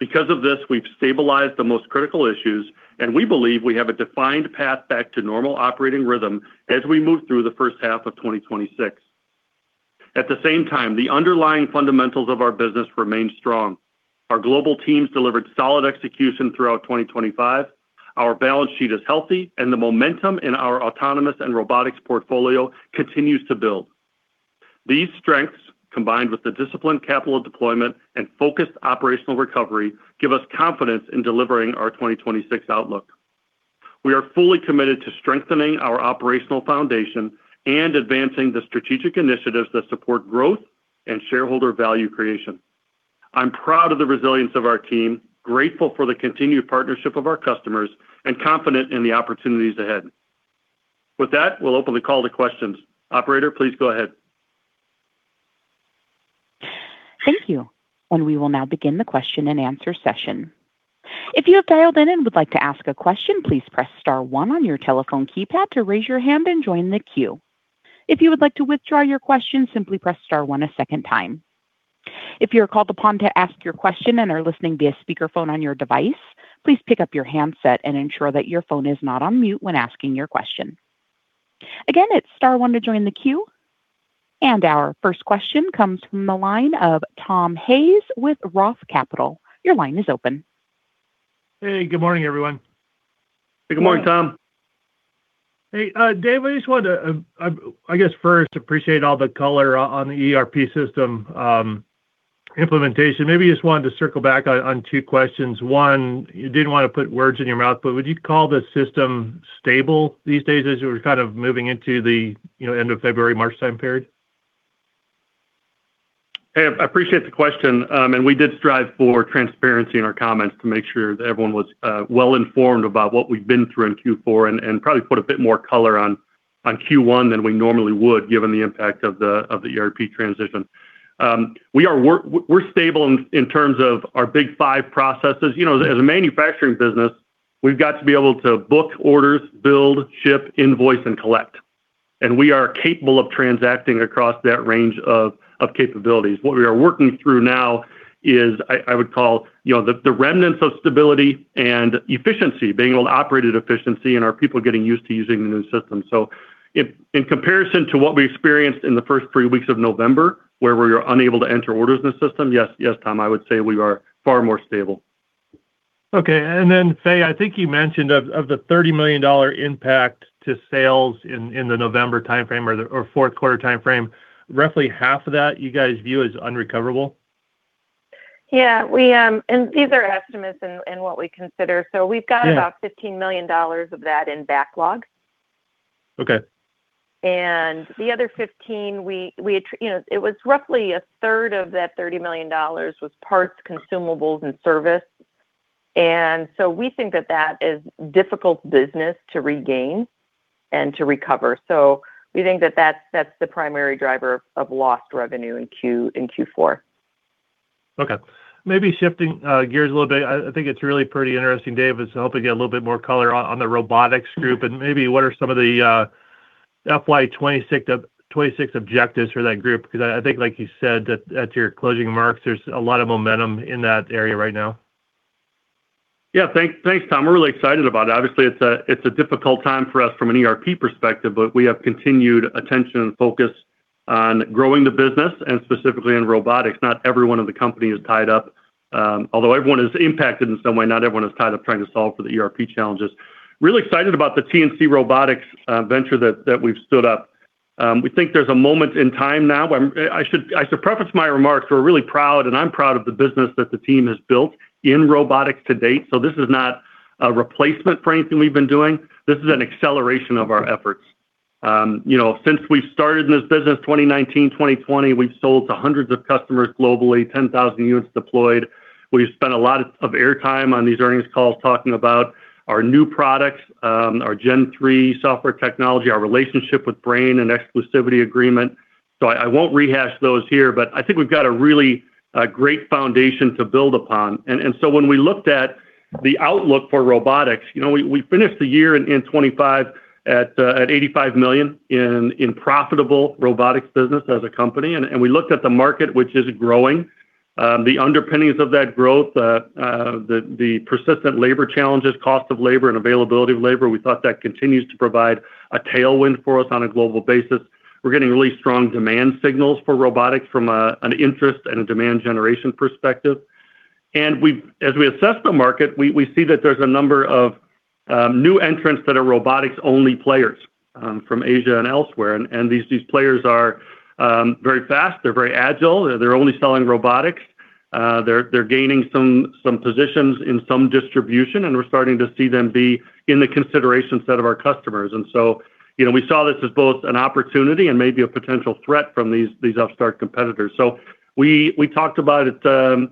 Because of this, we've stabilized the most critical issues, and we believe we have a defined path back to normal operating rhythm as we move through the first half of 2026. At the same time, the underlying fundamentals of our business remain strong. Our global teams delivered solid execution throughout 2025, our balance sheet is healthy, and the momentum in our autonomous and robotics portfolio continues to build. These strengths, combined with the disciplined capital deployment and focused operational recovery, give us confidence in delivering our 2026 outlook. We are fully committed to strengthening our operational foundation and advancing the strategic initiatives that support growth and shareholder value creation. I'm proud of the resilience of our team, grateful for the continued partnership of our customers, and confident in the opportunities ahead. With that, we'll open the call to questions. Operator, please go ahead. Thank you. We will now begin the question and answer session. If you have dialed in and would like to ask a question, please press star one on your telephone keypad to raise your hand and join the queue. If you would like to withdraw your question, simply press star one a second time. If you are called upon to ask your question and are listening via speakerphone on your device, please pick up your handset and ensure that your phone is not on mute when asking your question. Again, it's star one to join the queue. Our first question comes from the line of Tom Hayes with Roth Capital. Your line is open. Hey, good morning, everyone. Good morning, Tom. Hey, Dave, I just wanted to, I guess, first, appreciate all the color on the ERP system, implementation. Maybe just wanted to circle back on two questions. One, you didn't want to put words in your mouth, but would you call the system stable these days as you were kind of moving into the, you know, end of February, March time period? Hey, I appreciate the question. We did strive for transparency in our comments to make sure that everyone was well-informed about what we've been through in Q4, and probably put a bit more color on Q1 than we normally would, given the impact of the ERP transition. We're stable in terms of our big five processes. You know, as a manufacturing business, we've got to be able to book orders, build, ship, invoice, and collect, and we are capable of transacting across that range of capabilities. What we are working through now is I would call, you know, the remnants of stability and efficiency, being able to operate at efficiency and our people getting used to using the new system. If in comparison to what we experienced in the first three weeks of November, where we were unable to enter orders in the system, yes, Tom, I would say we are far more stable. Okay. Then, Fay, I think you mentioned of the $30 million impact to sales in the November time frame or the fourth quarter time frame, roughly half of that you guys view as unrecoverable? Yeah, we, these are estimates and what we consider. Yeah. We've got about $15 million of that in backlog. Okay. The other 15, we, you know, it was roughly a third of that $30 million was parts, consumables, and service. We think that that is difficult business to regain and to recover. We think that that's the primary driver of lost revenue in Q4. Okay. Maybe shifting gears a little bit, I think it's really pretty interesting, David. I was hoping to get a little bit more color on the robotics group and maybe what are some of the FY 2026 objectives for that group, because I think, like you said, at your closing remarks, there's a lot of momentum in that area right now. Yeah, thanks, Tom. We're really excited about it. Obviously, it's a difficult time for us from an ERP perspective, but we have continued attention and focus on growing the business and specifically in robotics. Not everyone in the company is tied up, although everyone is impacted in some way, not everyone is tied up trying to solve for the ERP challenges. Really excited about the TNC robotics venture that we've stood up. We think there's a moment in time now. I should preface my remarks. We're really proud, and I'm proud of the business that the team has built in robotics to date, so this is not a replacement for anything we've been doing. This is an acceleration of our efforts. you know, since we started in this business, 2019, 2020, we've sold to hundreds of customers globally, 10,000 units deployed. We've spent a lot of airtime on these earnings calls talking about our new products, our Gen 3 software technology, our relationship with BrainOS, an exclusivity agreement. I won't rehash those here, but I think we've got a really great foundation to build upon. When we looked at the outlook for robotics, you know, we finished the year in 2025 at $85 million in profitable robotics business as a company, and we looked at the market, which is growing. The underpinnings of that growth, the persistent labor challenges, cost of labor, and availability of labor, we thought that continues to provide a tailwind for us on a global basis. We're getting really strong demand signals for robotics from a, an interest and demand generation perspective. As we assess the market, we see that there's a number of new entrants that are robotics-only players from Asia and elsewhere. These players are very fast, they're very agile, they're only selling robotics. They're gaining some positions in some distribution, and we're starting to see them be in the consideration set of our customers. You know, we saw this as both an opportunity and maybe a potential threat from these upstart competitors. We talked about it,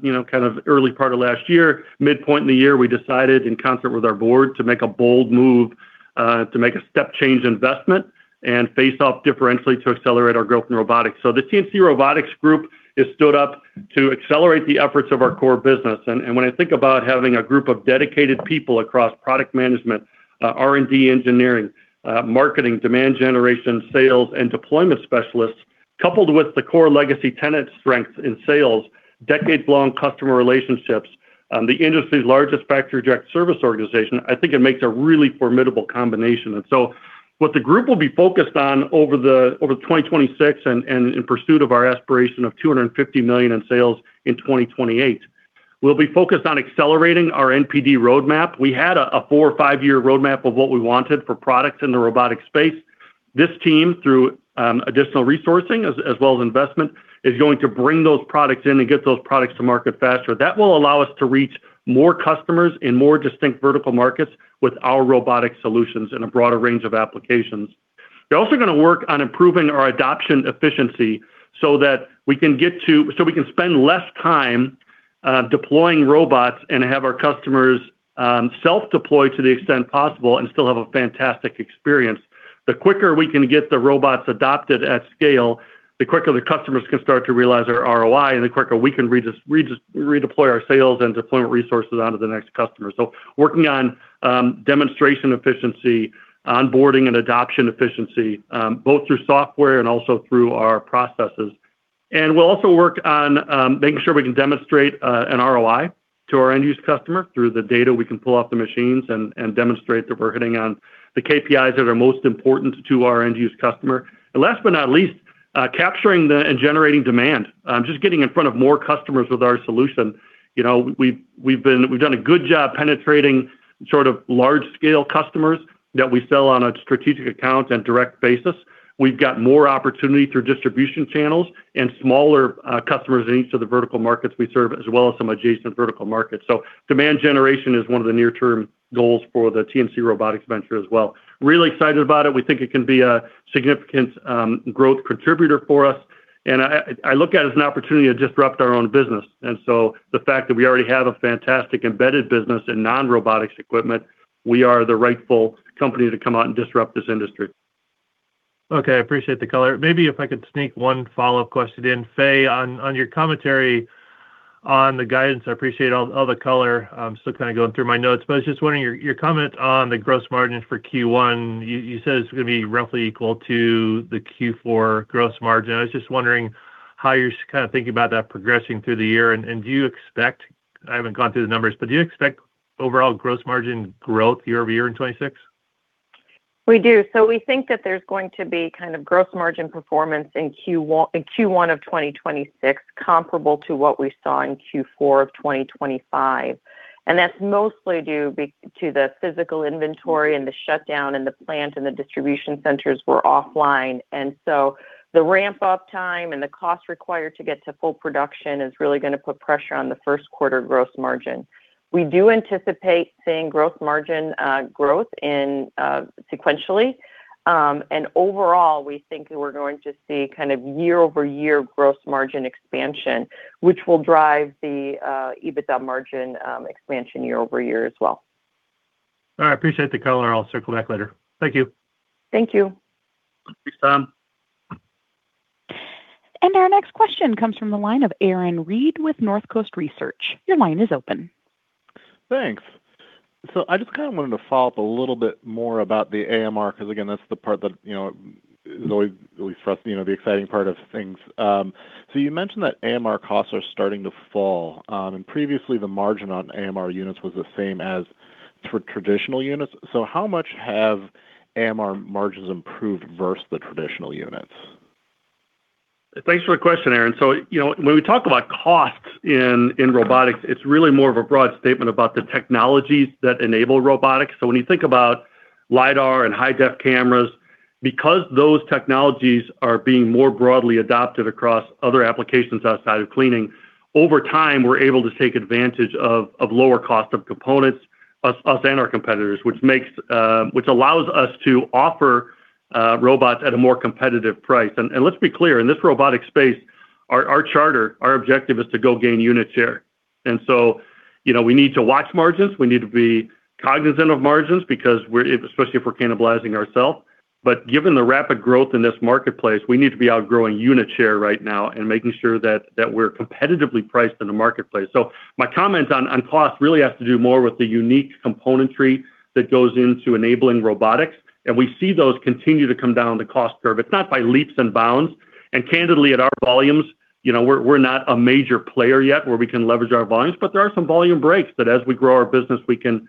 you know, kind of early part of last year. Midpoint in the year, we decided in concert with our board to make a bold move, to make a step change investment and face off differentially to accelerate our growth in robotics. The TNC robotics group is stood up to accelerate the efforts of our core business. When I think about having a group of dedicated people across product management, R&D, engineering, marketing, demand generation, sales, and deployment specialists, coupled with the core legacy Tennant strengths in sales, decades-long customer relationships, the industry's largest factory direct service organization, I think it makes a really formidable combination. What the group will be focused on over the 2026 and in pursuit of our aspiration of $250 million in sales in 2028, we'll be focused on accelerating our NPD roadmap. We had a four or five-year roadmap of what we wanted for products in the robotic space. This team, through additional resourcing as well as investment, is going to bring those products in and get those products to market faster. That will allow us to reach more customers in more distinct vertical markets with our robotic solutions in a broader range of applications. They're also gonna work on improving our adoption efficiency so that we can spend less time deploying robots and have our customers self-deploy to the extent possible and still have a fantastic experience. The quicker we can get the robots adopted at scale, the quicker the customers can start to realize their ROI, and the quicker we can redeploy our sales and deployment resources onto the next customer. Working on demonstration efficiency, onboarding and adoption efficiency, both through software and also through our processes. We'll also work on making sure we can demonstrate an ROI to our end-user customer through the data we can pull off the machines and demonstrate that we're hitting on the KPIs that are most important to our end-user customer. Last but not least, capturing and generating demand. Just getting in front of more customers with our solution. You know, we've done a good job penetrating sort of large-scale customers that we sell on a strategic account and direct basis. We've got more opportunity through distribution channels and smaller customers in each of the vertical markets we serve, as well as some adjacent vertical markets. Demand generation is one of the near-term goals for the TNC robotics venture as well. Really excited about it. We think it can be a significant growth contributor for us, and I look at it as an opportunity to disrupt our own business. The fact that we already have a fantastic embedded business in non-robotics equipment, we are the rightful company to come out and disrupt this industry. Okay, I appreciate the color. Maybe if I could sneak one follow-up question in. Fay, on your commentary on the guidance, I appreciate all the color. I'm still kind of going through my notes, but I was just wondering, your comment on the gross margins for Q1, you said it's gonna be roughly equal to the Q4 gross margin. I was just wondering how you're kind of thinking about that progressing through the year. Do you expect. I haven't gone through the numbers, but do you expect overall gross margin growth year-over-year in 2026? We do. We think that there's going to be kind of gross margin performance in Q1 of 2026, comparable to what we saw in Q4 of 2025. That's mostly due to the physical inventory and the shutdown, and the plant and the distribution centers were offline. The ramp-up time and the cost required to get to full production is really gonna put pressure on the first quarter gross margin. We do anticipate seeing growth margin, growth in, sequentially. Overall, we think that we're going to see kind of year-over-year gross margin expansion, which will drive the EBITDA margin expansion year-over-year as well. All right. I appreciate the color. I'll circle back later. Thank you. Thank you. Thanks, Tom. Our next question comes from the line of Aaron Reed with Northcoast Research. Your line is open. Thanks. I just kind of wanted to follow up a little bit more about the AMR, 'cause again, that's the part that, you know, is always, at least for us, you know, the exciting part of things. You mentioned that AMR costs are starting to fall, and previously, the margin on AMR units was the same as for traditional units. How much have AMR margins improved versus the traditional units? Thanks for the question, Aaron. You know, when we talk about costs in robotics, it's really more of a broad statement about the technologies that enable robotics. When you think about LiDAR and high-def cameras, because those technologies are being more broadly adopted across other applications outside of cleaning, over time, we're able to take advantage of lower cost of components, us and our competitors, which makes which allows us to offer robots at a more competitive price. Let's be clear, in this robotic space, our charter, our objective is to go gain unit share. You know, we need to watch margins, we need to be cognizant of margins because we're. Especially if we're cannibalizing ourselves, given the rapid growth in this marketplace, we need to be outgrowing unit share right now and making sure that we're competitively priced in the marketplace. My comment on cost really has to do more with the unique componentry that goes into enabling robotics, and we see those continue to come down on the cost curve. It's not by leaps and bounds, and candidly, at our volumes, you know, we're not a major player yet where we can leverage our volumes, but there are some volume breaks that as we grow our business, we could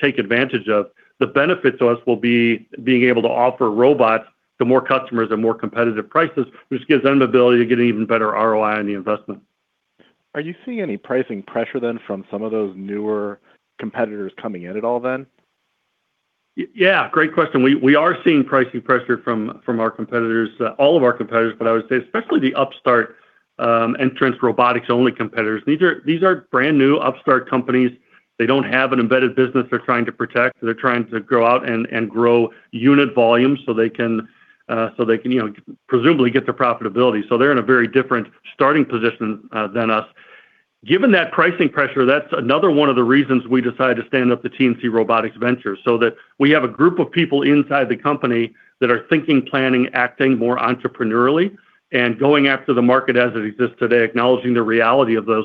take advantage of. The benefit to us will be being able to offer robots to more customers at more competitive prices, which gives them the ability to get an even better ROI on the investment. Are you seeing any pricing pressure then from some of those newer competitors coming in at all then? Yeah, great question. We are seeing pricing pressure from our competitors, all of our competitors, but I would say especially the upstart and trans-robotics-only competitors. These are brand-new, upstart companies. They don't have an embedded business they're trying to protect. They're trying to grow out and grow unit volumes so they can, you know, presumably get to profitability. They're in a very different starting position than us. Given that pricing pressure, that's another one of the reasons we decided to stand up the TNC robotics venture, that we have a group of people inside the company that are thinking, planning, acting more entrepreneurially and going after the market as it exists today, acknowledging the reality of those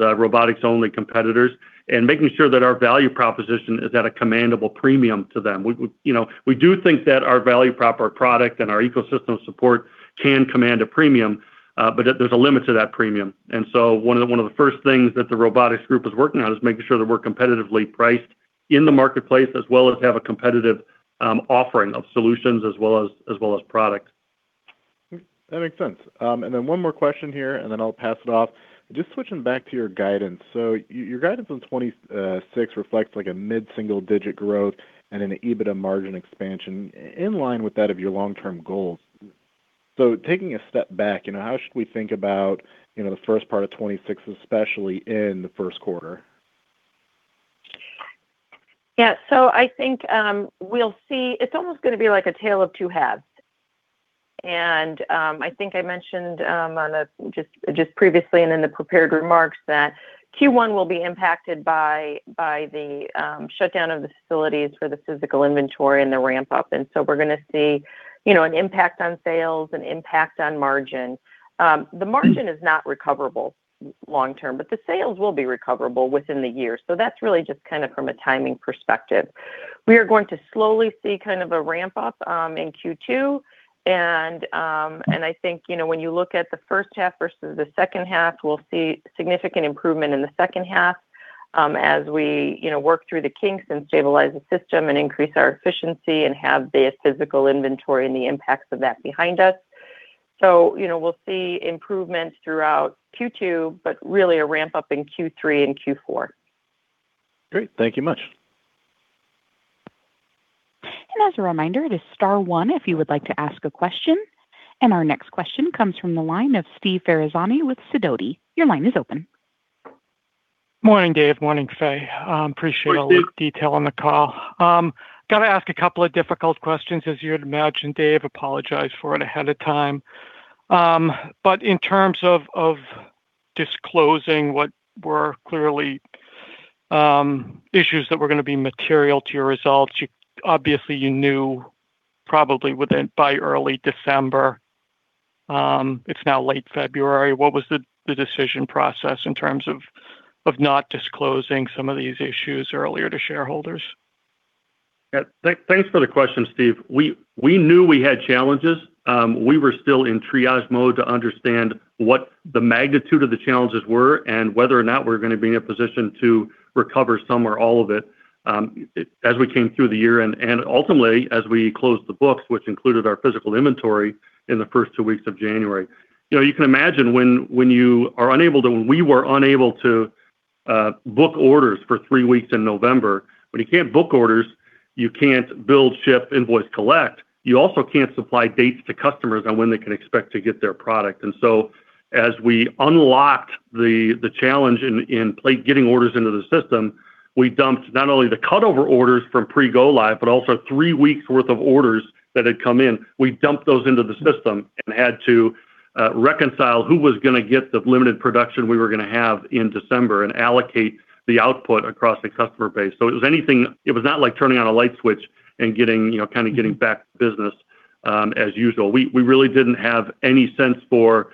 robotics-only competitors and making sure that our value proposition is at a commandable premium to them. We, you know, we do think that our value prop, our product, and our ecosystem support can command a premium, there's a limit to that premium. One of the first things that the robotics group is working on is making sure that we're competitively priced in the marketplace, as well as have a competitive offering of solutions, as well as products. That makes sense. One more question here, and then I'll pass it off. Just switching back to your guidance. Your guidance on 2026 reflects, like, a mid-single-digit growth and an EBITDA margin expansion in line with that of your long-term goals. Taking a step back, you know, how should we think about, you know, the first part of 2026, especially in the first quarter? Yeah. I think we'll see. It's almost gonna be like a tale of two halves. I think I mentioned, just previously and in the prepared remarks, that Q1 will be impacted by the shutdown of the facilities for the physical inventory and the ramp-up. We're gonna see, you know, an impact on sales and impact on margin. The margin is not recoverable long term, but the sales will be recoverable within the year. That's really just kind of from a timing perspective. We are going to slowly see kind of a ramp-up, in Q2, and I think, you know, when you look at the first half versus the second half, we'll see significant improvement in the second half, as we, you know, work through the kinks and stabilize the system and increase our efficiency and have the physical inventory and the impacts of that behind us. You know, we'll see improvements throughout Q2, but really a ramp-up in Q3 and Q4. Great. Thank you much. As a reminder, it is star one if you would like to ask a question, and our next question comes from the line of Steve Ferazani with Sidoti. Your line is open. Morning, Dave. Morning, Fay. appreciate all. Morning, Steve. The detail on the call. got to ask a couple of difficult questions, as you'd imagine, Dave. Apologize for it ahead of time. In terms of disclosing what were clearly, issues that were gonna be material to your results, obviously, you knew probably within by early December. It's now late February. What was the decision process in terms of not disclosing some of these issues earlier to shareholders? Thanks for the question, Steve. We knew we had challenges. We were still in triage mode to understand what the magnitude of the challenges were and whether or not we're gonna be in a position to recover some or all of it, as we came through the year and ultimately, as we closed the books, which included our physical inventory in the first two weeks of January. You know, you can imagine when we were unable to book orders for three weeks in November, when you can't book orders, you can't build, ship, invoice, collect. You also can't supply dates to customers on when they can expect to get their product. As we unlocked the challenge in getting orders into the system, we dumped not only the cut-over orders from pre-go live, but also three weeks' worth of orders that had come in. We dumped those into the system and had to reconcile who was gonna get the limited production we were gonna have in December and allocate the output across the customer base. It was not like turning on a light switch and getting, you know, kind of getting back to business as usual. We really didn't have any sense for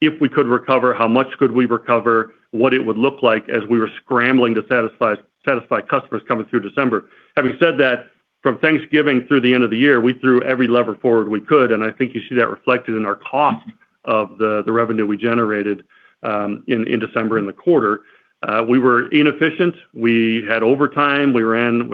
if we could recover, how much could we recover, what it would look like as we were scrambling to satisfy customers coming through December. Having said that, from Thanksgiving through the end of the year, we threw every lever forward we could, and I think you see that reflected in our cost of the revenue we generated, in December in the quarter. We were inefficient. We had overtime. We ran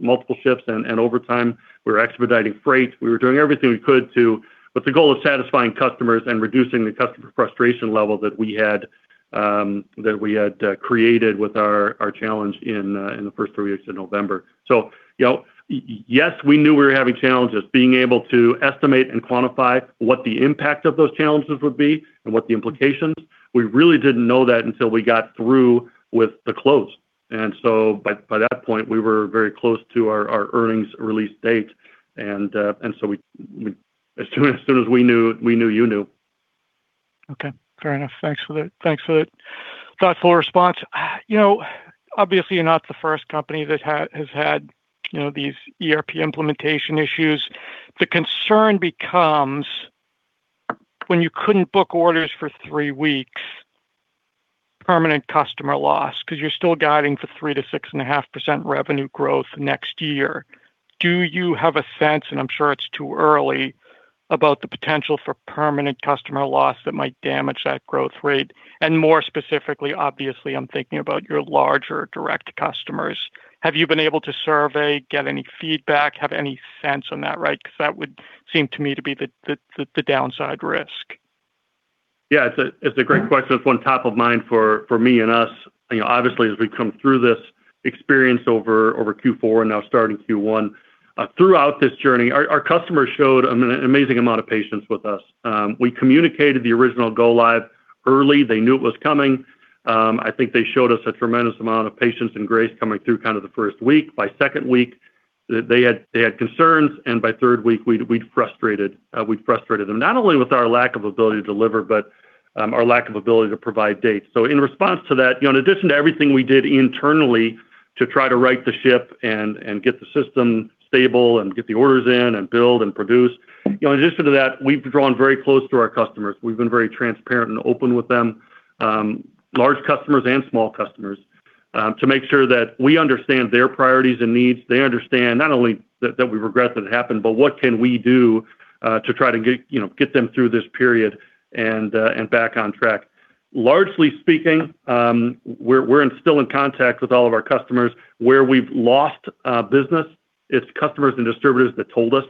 multiple shifts and overtime. We were expediting freight. We were doing everything we could to. With the goal of satisfying customers and reducing the customer frustration level that we had, that we had created with our challenge in the first three weeks of November. You know, yes, we knew we were having challenges, being able to estimate and quantify what the impact of those challenges would be and what the implications, we really didn't know that until we got through with the close. by that point, we were very close to our earnings release date, and so as soon as we knew, you knew. Okay, fair enough. Thanks for that. Thanks for that thoughtful response. You know, obviously, you're not the first company that has had, you know, these ERP implementation issues. The concern becomes when you couldn't book orders for three weeks, permanent customer loss, 'cause you're still guiding for 3%-6.5% revenue growth next year. Do you have a sense, and I'm sure it's too early, about the potential for permanent customer loss that might damage that growth rate? More specifically, obviously, I'm thinking about your larger direct customers. Have you been able to survey, get any feedback, have any sense on that, right? 'Cause that would seem to me to be the downside risk. Yeah, it's a great question. It's one top of mind for me and us. You know, obviously, as we come through this experience over Q4 and now starting Q1. Throughout this journey, our customers showed an amazing amount of patience with us. We communicated the original go-live early. They knew it was coming. I think they showed us a tremendous amount of patience and grace coming through kind of the first week. By second week, they had concerns, and by third week, we'd frustrated them. Not only with our lack of ability to deliver, but our lack of ability to provide dates. In response to that, you know, in addition to everything we did internally to try to right the ship and get the system stable and get the orders in and build and produce, you know, in addition to that, we've drawn very close to our customers. We've been very transparent and open with them, large customers and small customers, to make sure that we understand their priorities and needs. They understand not only that we regret that it happened, but what can we do to try to get, you know, get them through this period and back on track. Largely speaking, we're still in contact with all of our customers. Where we've lost business, it's customers and distributors that told us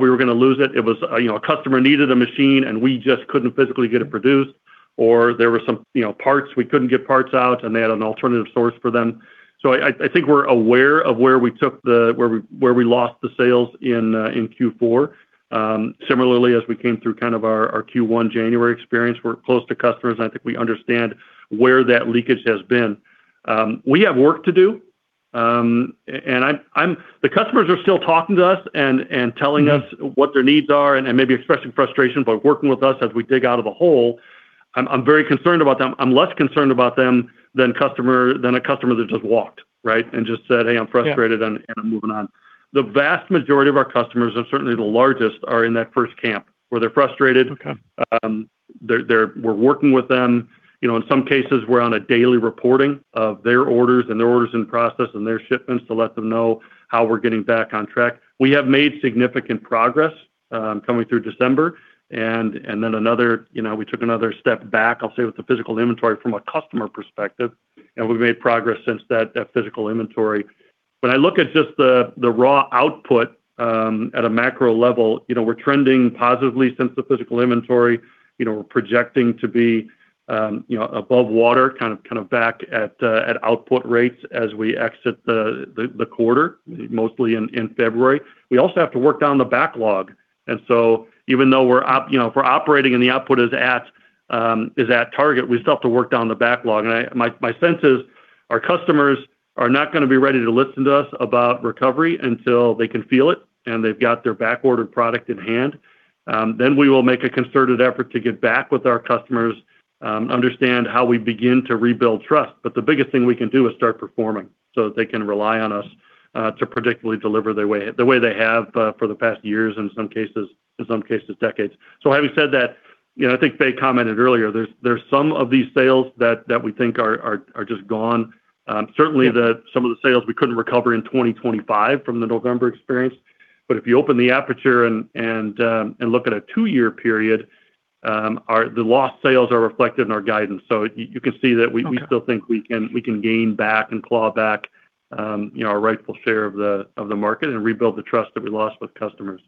we were gonna lose it. It was, you know, a customer needed a machine, and we just couldn't physically get it produced, or there were some, you know, parts, we couldn't get parts out, and they had an alternative source for them. I think we're aware of where we lost the sales in Q4. Similarly, as we came through kind of our Q1 January experience, we're close to customers, and I think we understand where that leakage has been. We have work to do, and I'm the customers are still talking to us and telling us. Mm-hmm What their needs are and maybe expressing frustration, but working with us as we dig out of the hole. I'm very concerned about them. I'm less concerned about them than a customer that just walked, right? Just said, "Hey, I'm frustrated- Yeah -and, and I'm moving on."The vast majority of our customers, and certainly the largest, are in that first camp, where they're frustrated. Okay. We're working with them. You know, in some cases, we're on a daily reporting of their orders and their orders in process and their shipments to let them know how we're getting back on track. We have made significant progress, coming through December, and then another, you know, we took another step back, I'll say, with the physical inventory from a customer perspective, and we've made progress since that physical inventory. When I look at just the raw output, at a macro level, you know, we're trending positively since the physical inventory. You know, we're projecting to be, you know, above water, kind of back at output rates as we exit the quarter, mostly in February. We also have to work down the backlog, even though we're op. You know, if we're operating and the output is at target, we still have to work down the backlog. My sense is our customers are not gonna be ready to listen to us about recovery until they can feel it, and they've got their backordered product in hand. Then we will make a concerted effort to get back with our customers, understand how we begin to rebuild trust. The biggest thing we can do is start performing, so that they can rely on us to predictably deliver the way they have for the past years, in some cases, decades. Having said that, you know, I think Fay commented earlier, there's some of these sales that we think are just gone. Certainly some of the sales we couldn't recover in 2025 from the November experience. If you open the aperture and look at a two-year period, the lost sales are reflected in our guidance. You can see that. Okay We still think we can gain back and claw back, you know, our rightful share of the market and rebuild the trust that we lost with customers.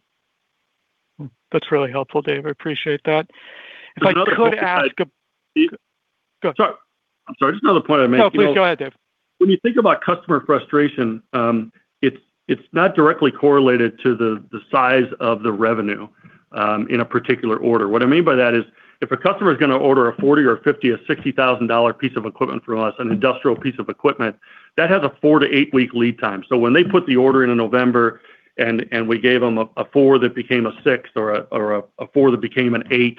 That's really helpful, Dave. I appreciate that. There's another. If I could ask. Steve. Go. Sorry. I'm sorry, just another point I'd make, you know. No, please go ahead, Dave. When you think about customer frustration, it's not directly correlated to the size of the revenue in a particular order. What I mean by that is, if a customer is gonna order a $40,000 or $50,000 or $60,000 piece of equipment from us, an industrial piece of equipment, that has a four to eight-week lead time. When they put the order in in November, and we gave them a four that became a six or a four that became an eight,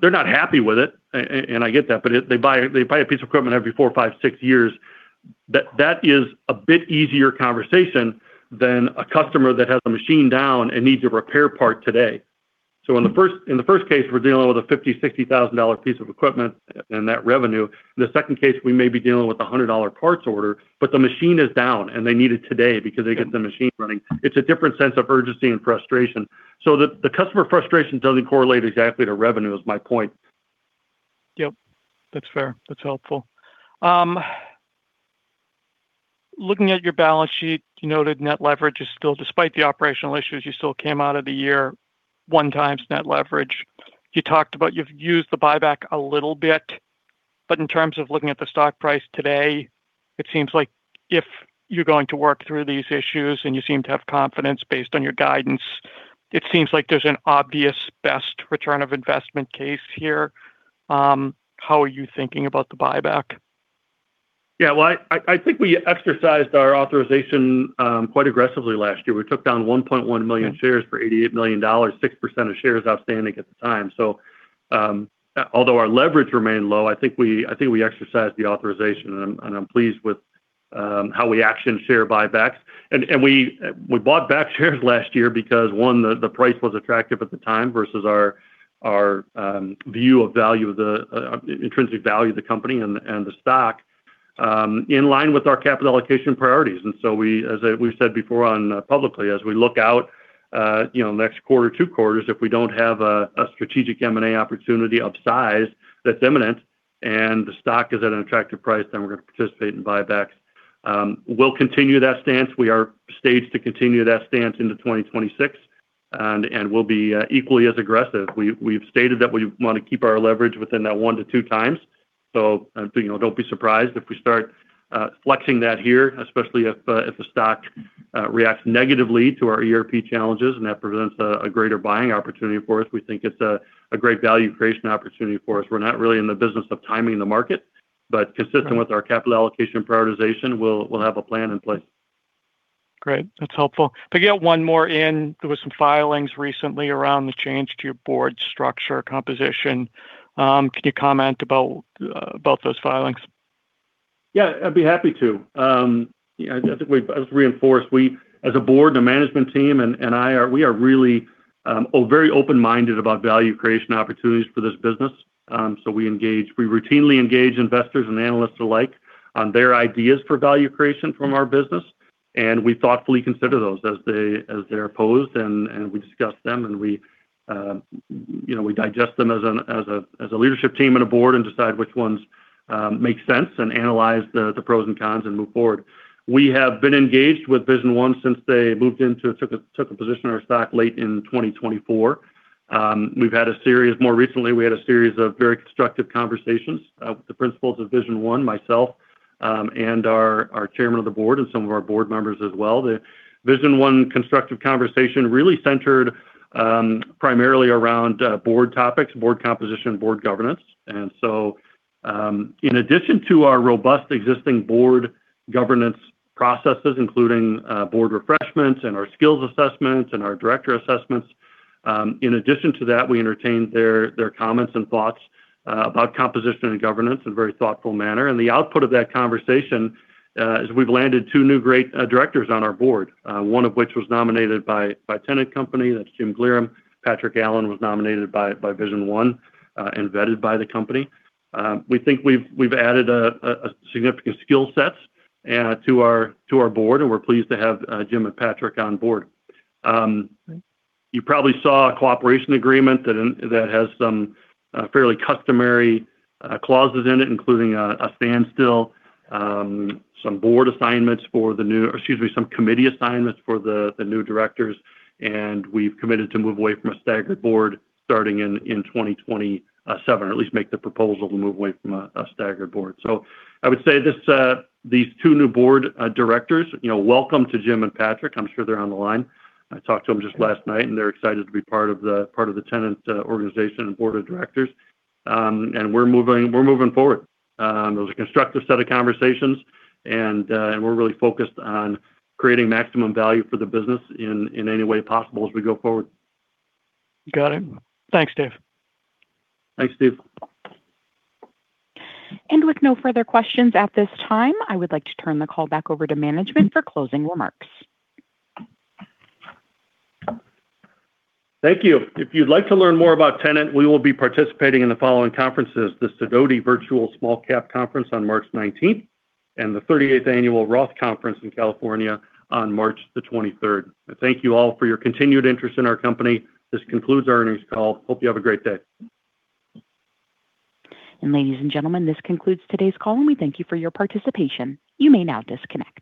they're not happy with it, and I get that, but they buy a piece of equipment every four, five, six years. That is a bit easier conversation than a customer that has a machine down and needs a repair part today. Mm-hmm. In the first case, we're dealing with a $50,000-$60,000 piece of equipment and that revenue. In the second case, we may be dealing with a $100 parts order, but the machine is down, and they need it today because they get the machine running. It's a different sense of urgency and frustration. The customer frustration doesn't correlate exactly to revenue, is my point. Yep. That's fair. That's helpful. Looking at your balance sheet, you noted net leverage is still. Despite the operational issues, you still came out of the year 1x net leverage. You talked about you've used the buyback a little bit, but in terms of looking at the stock price today, it seems like if you're going to work through these issues, and you seem to have confidence based on your guidance, it seems like there's an obvious best return of investment case here. How are you thinking about the buyback? Well, I think we exercised our authorization quite aggressively last year. We took down 1.1 million shares for $88 million, 6% of shares outstanding at the time. Although our leverage remained low, I think we exercised the authorization, and I'm pleased with how we actioned share buybacks. We bought back shares last year because, one, the price was attractive at the time versus our view of value of the intrinsic value of the company and the stock in line with our capital allocation priorities. We've said before on publicly, as we look out, you know, next quarter, two quarters, if we don't have a strategic M&A opportunity of size that's imminent, and the stock is at an attractive price, then we're gonna participate in buybacks. We'll continue that stance. We are staged to continue that stance into 2026, and we'll be equally as aggressive. We've stated that we want to keep our leverage within that 1x-2x, you know, don't be surprised if we start flexing that here, especially if the stock reacts negatively to our ERP challenges, and that presents a greater buying opportunity for us. We think it's a great value creation opportunity for us. We're not really in the business of timing the market, but consistent- Right With our capital allocation prioritization, we'll have a plan in place. Great. That's helpful. To get one more in, there were some filings recently around the change to your board structure composition. Could you comment about those filings? I'd be happy to. I think as reinforced, we, as a board, the management team and I are really very open-minded about value creation opportunities for this business. We routinely engage investors and analysts alike on their ideas for value creation from our business, and we thoughtfully consider those as they, as they're posed, and we discuss them, and we, you know, we digest them as a leadership team and a board and decide which ones make sense and analyze the pros and cons and move forward. We have been engaged with Vision One since they moved in to took a position in our stock late in 2024. We've had more recently, we had a series of very constructive conversations, the principals of Vision One, myself, and our chairman of the board and some of our board members as well. The Vision One constructive conversation really centered primarily around board topics, board composition, board governance. In addition to our robust existing board governance processes, including board refreshments and our skills assessments and our director assessments, in addition to that, we entertained their comments and thoughts about composition and governance in a very thoughtful manner. The output of that conversation is we've landed two new great directors on our board, one of which was nominated by Tennant Company. That's James Glerum. Patrick Allen was nominated by Vision One and vetted by the company. We think we've added a significant skill sets to our board, and we're pleased to have Jim and Patrick on board. You probably saw a cooperation agreement that has some fairly customary clauses in it, including a standstill, some board assignments for the new. Excuse me, some committee assignments for the new directors, and we've committed to move away from a staggered board starting in 2027, or at least make the proposal to move away from a staggered board. I would say this, these two new board directors, you know, welcome to Jim and Patrick. I'm sure they're on the line. I talked to them just last night, and they're excited to be part of the Tennant organization and board of directors. We're moving forward. It was a constructive set of conversations, and we're really focused on creating maximum value for the business in any way possible as we go forward. Got it. Thanks, Dave. Thanks, Steve. With no further questions, at this time, I would like to turn the call back over to management for closing remarks. Thank you. If you'd like to learn more about Tennant, we will be participating in the following conferences: the Sidoti Virtual Small-Cap Conference on March 19th, and the 38th Annual ROTH Conference in California on March 23rd. Thank you all for your continued interest in our company. This concludes our earnings call. Hope you have a great day. Ladies and gentlemen, this concludes today's call, and we thank you for your participation. You may now disconnect.